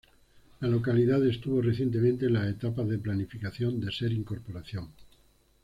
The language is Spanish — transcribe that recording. La localidad estuvo recientemente en las etapas de planificación de ser incorporación.